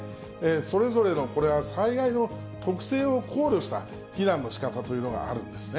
それぞれのこれは災害の特性を考慮した避難のしかたというのがあるんですね。